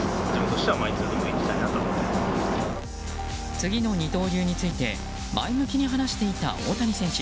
次の二刀流について前向きに話していた大谷選手。